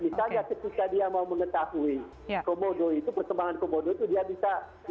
misalnya ketika dia mau mengetahui perkembangan komodo itu